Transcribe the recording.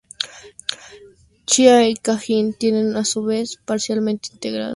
Chía y Cajicá tienen a su vez parcialmente integrados sus cascos urbanos.